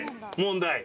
問題。